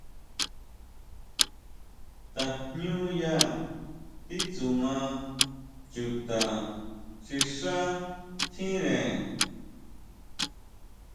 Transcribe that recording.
Tajñuya titsuma chuta xi xá tjíre.